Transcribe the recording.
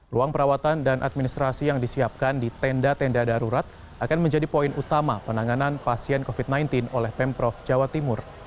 ruang perawatan dan administrasi yang disiapkan di tenda tenda darurat akan menjadi poin utama penanganan pasien covid sembilan belas oleh pemprov jawa timur